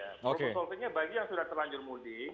problem solvingnya bagi yang sudah terlanjur mudik